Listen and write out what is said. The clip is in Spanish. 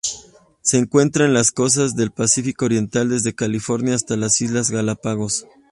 Se encuentra en las costas del Pacífico oriental: desde California hasta las Islas Galápagos.